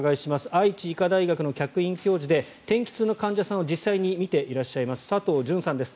愛知医科大学の客員教授で天気痛の患者さんを実際に診ていらっしゃいます佐藤純さんです。